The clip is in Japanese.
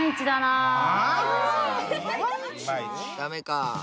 ダメか。